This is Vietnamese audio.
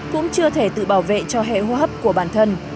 cũng chưa thể tự bảo vệ cho hệ hô hấp của bản thân